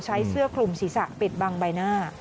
ใช้เสื้อคลุมศีรษะปิดบังใบหน้า